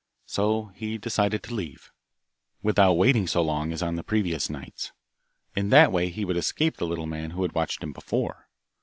So he decided to leave, without waiting so long as on the previous nights. In that way he would escape the little man who had watched him before.